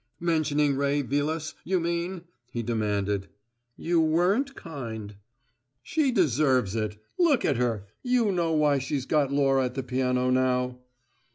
"Mentioning Ray Vilas, you mean?" he demanded. "You weren't kind." "She deserves it. Look at her! You know why she's got Laura at the piano now."